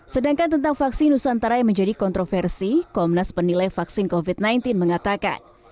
sedangkan tentang vaksin nusantara yang menjadi kontroversi komnas penilai vaksin covid sembilan belas mengatakan